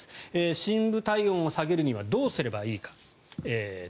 深部体温を下げるにはどうすればいいか。